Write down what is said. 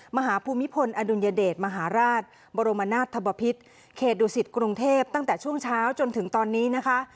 ภูมิพลอดุลยเดชมหาราชบรมนาศธบพิษเขตดุสิตกรุงเทพตั้งแต่ช่วงเช้าจนถึงตอนนี้นะคะ